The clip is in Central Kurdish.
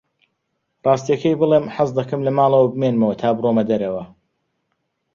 ڕاستییەکەی بڵێم، حەز دەکەم لە ماڵەوە بمێنمەوە تا بڕۆمە دەرەوە.